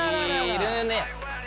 いるね。